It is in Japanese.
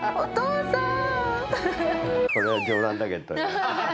これは冗談だけどよ。